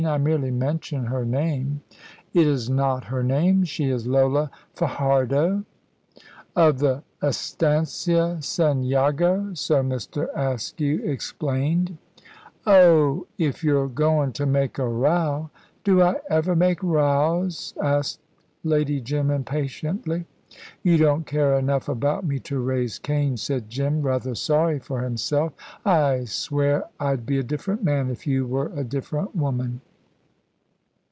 I merely mention her name." "It is not her name. She is Lola Fajardo." "Of the Estancia, San Jago. So Mr. Askew explained." "Oh, if you're goin' to make a row " "Do I ever make rows?" asked Lady Jim, impatiently. "You don't care enough about me to raise Cain," said Jim, rather sorry for himself. "I swear I'd be a different man, if you were a different woman."